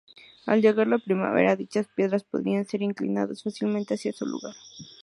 Al llegar la primavera, dichas piedras podrían ser inclinadas fácilmente hacia su lugar.